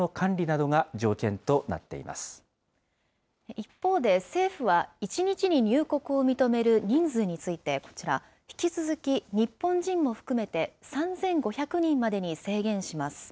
一方で、政府は、１日に入国を認める人数について、こちら、引き続き、日本人も含めて、３５００人までに制限します。